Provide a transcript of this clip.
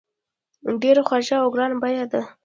ډیر خوږ او ګران بیه دي.